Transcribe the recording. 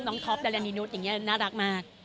น้องท็อปดาร์แลนด์นินุสอย่างนี้น่ารักมาก